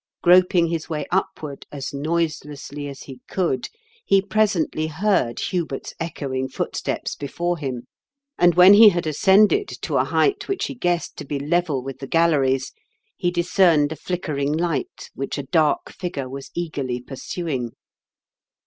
Groping his way upward as noiselessly as he could, he presently heard Hubert's echoing footsteps before him, and when he had ascended A LEGEND OF GUNDULPH'S TOWEB. 105 to a height which he guessed to be level with the galleries he discerned a flickering light which a dark figure was eagerly pursuing.